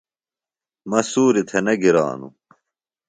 مہ سوریۡ تھےۡ نہ گرانوۡ۔